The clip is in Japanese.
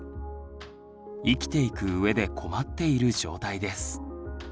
生きていく上で困っている状態です。